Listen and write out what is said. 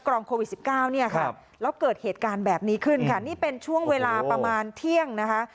แล้วเกิดเหตุการณ์แบบนี้ขึ้นค่ะนี่เป็นช่วงเวลาประมาณเที่ยงนะคะ